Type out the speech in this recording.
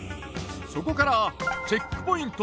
そこからチェックポイント